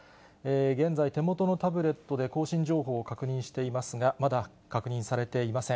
現在、手元のタブレットで更新情報を確認していますが、まだ確認されていません。